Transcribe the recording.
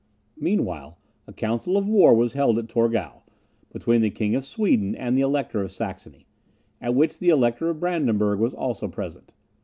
Meanwhile, a council of war was held at Torgau, between the King of Sweden and the Elector of Saxony, at which the Elector of Brandenburg was also present.